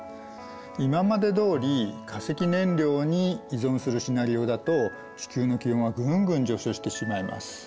今までどおり化石燃料に依存するシナリオだと地球の気温はぐんぐん上昇してしまいます。